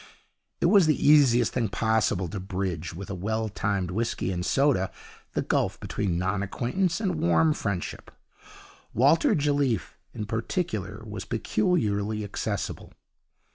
It was the easiest thing possible to bridge with a well timed whisky and soda the gulf between non acquaintance and warm friendship. Walter Jelliffe, in particular, was peculiarly accessible.